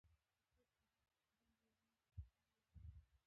هغوی د بام له یادونو سره راتلونکی جوړولو هیله لرله.